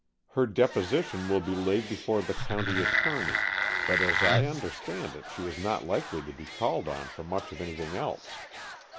Her deposition will be laid before the county attorney, but as I understood it, she is not likely to be called on for much of anything else.